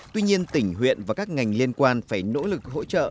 tuy nhiên tỉnh huyện và các ngành liên quan phải nỗ lực hỗ trợ